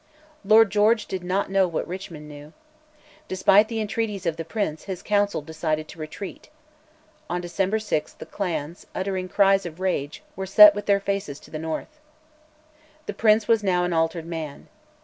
Lord George did not know what Richmond knew. Despite the entreaties of the Prince, his Council decided to retreat. On December 6 the clans, uttering cries of rage, were set with their faces to the north. The Prince was now an altered man.